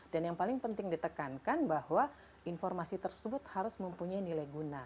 dan yang paling penting ditekankan bahwa informasi tersebut harus mempunyai nilai guna